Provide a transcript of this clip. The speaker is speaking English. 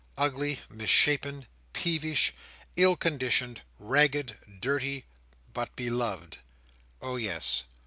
Ugly, misshapen, peevish, ill conditioned, ragged, dirty—but beloved! Oh yes!